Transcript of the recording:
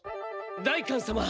代官様！